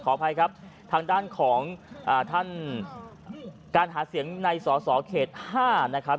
อภัยครับทางด้านของท่านการหาเสียงในสอสอเขต๕นะครับ